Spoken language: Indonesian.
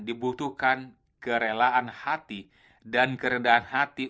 dibutuhkan kerelaan hati dan kerendahan hati